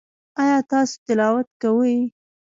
ایا تاسو تلاوت کوئ؟